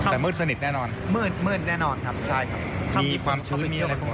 แต่มืดสนิทแน่นอนมืดมืดแน่นอนครับใช่ครับมีความชื้นมีอะไรพวกนี้